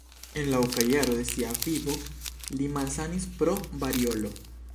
En la oka jaro de sia vivo li malsanis pro variolo.